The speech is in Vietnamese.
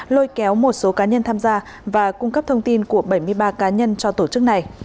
lôi kéo một số cá nhân tham gia và cung cấp thông tin của bảy mươi ba cá nhân cho tổ chức này